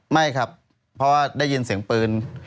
ไม่ครับเพราะว่าได้ยินเสียงปืน